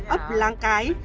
ấp láng cái